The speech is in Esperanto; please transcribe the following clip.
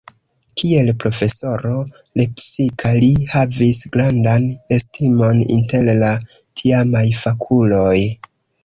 Kiel profesoro lepsika li havis grandan estimon inter la tiamaj fakuloj.